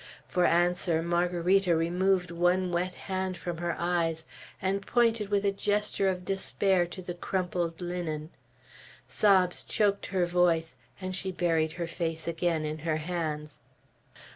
For answer, Margarita removed one wet hand from her eyes, and pointed with a gesture of despair to the crumpled linen. Sobs choked her voice, and she buried her face again in her hands.